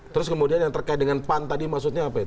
terus kemudian yang terkait dengan pan tadi maksudnya apa itu